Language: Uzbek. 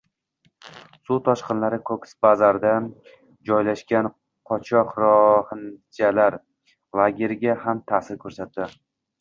Suv toshqinlari Koks-Bazarda joylashgan qochoq-rohinjalar lageriga ham ta’sir ko‘rsatdi